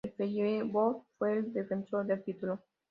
El Feyenoord fue el defensor del título.